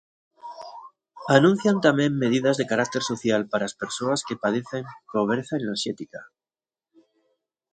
Anuncian tamén medidas de carácter social para as persoas que padecen pobreza enerxética.